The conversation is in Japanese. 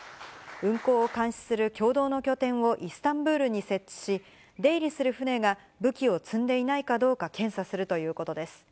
運航を監視する共同の拠点をイスタンブールに設置し、出入りする船が武器を積んでいないかどうか検査するということです。